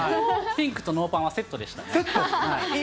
ピンクとノーパンはセットでセット？